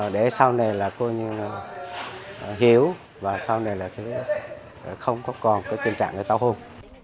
để sau này hiểu và sau này không còn tình trạng tàu hôn